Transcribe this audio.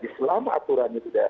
selama aturannya sudah